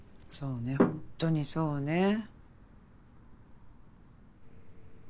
そうねホントにそうね。